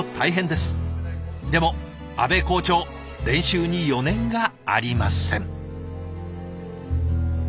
でも安部校長練習に余念がありません。